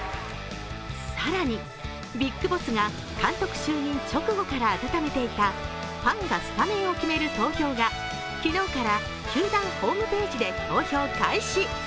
さらにビッグボスが監督就任直後から温めていたファンがスタメンを決める投票が昨日から球団ホームページで投票開始。